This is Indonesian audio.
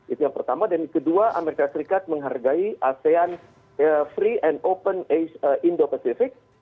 itu yang pertama dan kedua amerika serikat menghargai asean free and open indo pacific